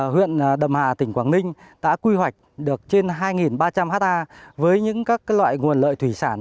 huyện đầm hà tỉnh quảng ninh đã quy hoạch được trên hai ba trăm linh ha với những các loại nguồn lợi thủy sản